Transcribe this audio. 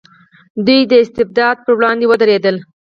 دوی د استبداد پر وړاندې ودرېدل.